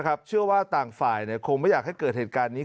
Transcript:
เชื่อว่าต่างฝ่ายคงไม่อยากให้เกิดเหตุการณ์นี้